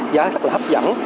giá rất là hấp dẫn